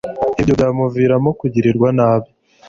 ibyo byamuviramo kugirirwa nabi